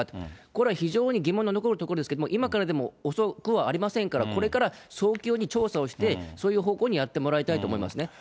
これは非常に疑問の残るところですけれども、今からでも遅くはありませんから、これから早急に調査をして、そういう方向にやってもらいたいと思いますね。